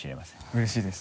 うれしいです。